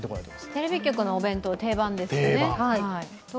テレビ局のお弁当、定番ですよね